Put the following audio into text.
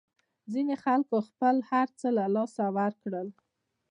ځینو خلکو خپل هرڅه له لاسه ورکړل.